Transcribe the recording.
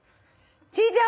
チーちゃん